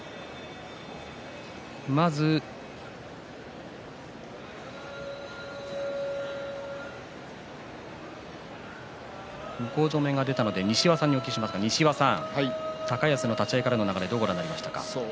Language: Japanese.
まず、向正面側の西岩さん高安の立ち合いからの流れどうご覧になりましたか。